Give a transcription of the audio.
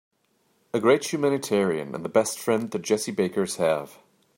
A great humanitarian and the best friend the Jessie Bakers have.